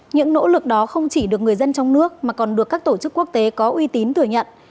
những nỗ lực đó không chỉ được người dân trong nước mà còn được các tổ chức quốc tế có uy tín thừa nhận